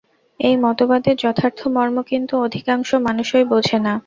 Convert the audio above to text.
এই মতবাদের যথার্থ মর্ম কিন্তু অধিকাংশ মানুষই বোঝে না।